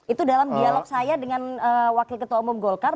itu dalam dialog saya dengan wakil ketua umum golkar